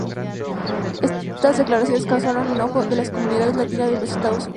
Estas declaraciones causaron enojo de la comunidad latina de los Estados Unidos.